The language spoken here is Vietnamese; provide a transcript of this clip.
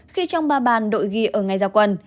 khi trong ba bàn đội ghi ở ngày giao quân